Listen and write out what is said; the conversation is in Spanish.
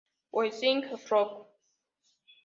We Sing Rock!